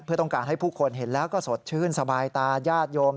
เพื่อต้องการให้ผู้คนเห็นแล้วก็สดชื่นสบายตายาดโยม